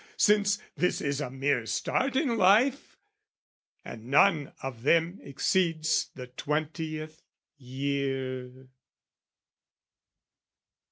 Since this is a mere start in life, And none of them exceeds the twentieth year.